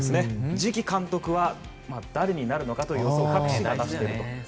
次期監督は誰になるのかという予想を各紙が出していると。